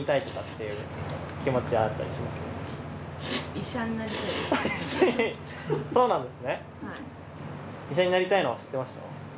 医者になりたいのは知ってました？